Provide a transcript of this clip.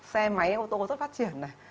xe máy ô tô rất phát triển này